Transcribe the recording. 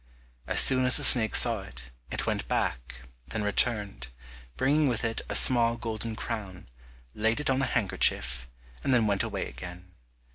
As soon as the snake saw it, it went back, then returned, bringing with it a small golden crown, laid it on the handkerchief, and then went away again.